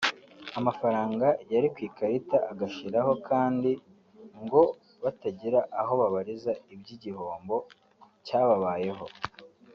amafaranga yari ku ikarita agashiraho kandi ngo batagira aho babariza iby’igihombo cyababayeho